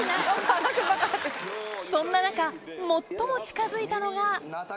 そんな中最も近づいたのが・